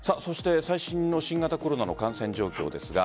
最新の新型コロナの感染状況ですが。